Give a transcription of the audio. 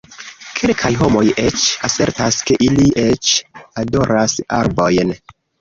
Kelkaj homoj eĉ asertas, ke ili eĉ adoras arbojn.